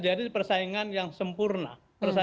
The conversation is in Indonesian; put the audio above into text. ada syaraah yang udah